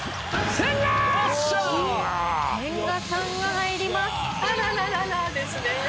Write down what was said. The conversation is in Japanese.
千賀さんが入ります。